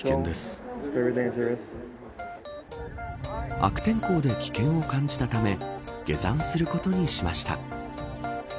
悪天候で危険を感じたため下山することにしました。